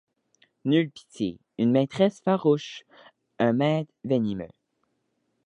Nulle pitié ; une maîtresse farouche, un maître venimeux.